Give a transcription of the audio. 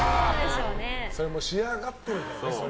それも仕上がっているからね。